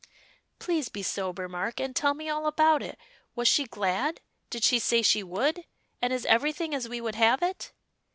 "Please be sober, Mark, and tell me all about it. Was she glad? Did she say she would? And is everything as we would have it?"